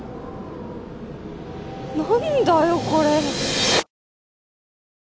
何だよこれ！